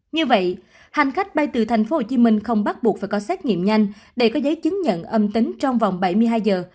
như vậy hành khách bay từ tp hcm không bắt buộc phải có xét nghiệm nhanh để có giấy chứng nhận âm tính trong vòng bảy mươi hai giờ